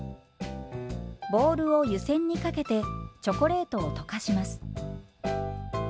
ボウルを湯煎にかけてチョコレートを溶かします。